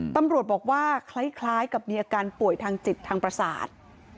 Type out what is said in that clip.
ตำรวจบอกว่าคล้ายกับมีอาการป่วยทางจิตทางประสาท